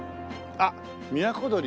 あれは「みやこどり」